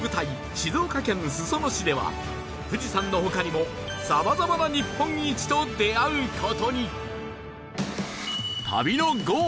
静岡県裾野市では富士山の他にもさまざまな日本一と出会う事に